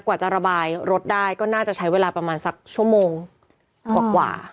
กว่าจะระบายรถได้ก็น่าจะใช้เวลาประมาณสักชั่วโมงกว่า